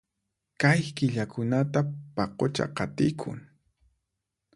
Kay killakunata paqucha qatikun